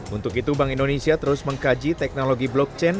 untuk itu bank indonesia terus mengkaji teknologi blockchain